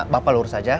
bapak lurus aja